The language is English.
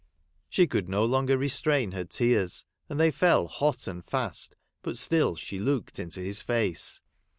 She could no longer restrain her tears, and they fell hot and fast, but still she looked into his face.